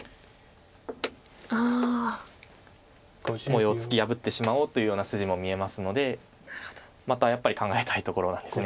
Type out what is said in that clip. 模様を突き破ってしまおうというような筋も見えますのでまたやっぱり考えたいところなんです。